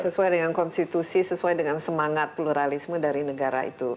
sesuai dengan konstitusi sesuai dengan semangat pluralisme dari negara itu